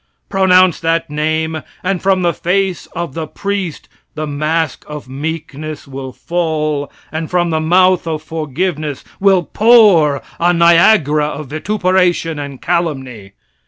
Pronounce that name, and from the face of the priest the mask of meekness will fall, and from the mouth of forgiveness will pour a Niagara of vituperation and calumny.